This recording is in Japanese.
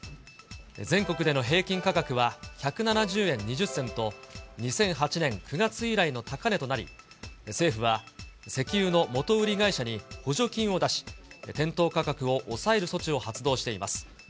全国での平均価格は１７０円２０銭と、２００８年９月以来の高値となり、政府は石油の元売り会社に補助金を出し、店頭価格を抑える措置を発動しています。